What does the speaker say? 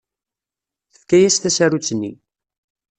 Tefka-as tasarut-nni.